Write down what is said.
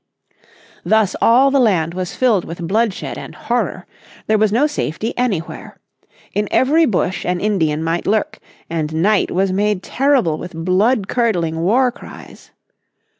Thus all the land was filled with bloodshed and horror. There was no safety anywhere. In every bush an Indian might lurk, and night was made terrible with bloodcurdling war cries.